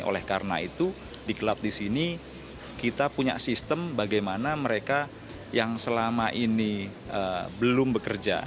oleh karena itu di klub di sini kita punya sistem bagaimana mereka yang selama ini belum bekerja